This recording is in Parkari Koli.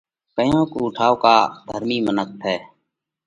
ڪيونڪ اُو ٺائُوڪا ڌرمِي منک ٿئه۔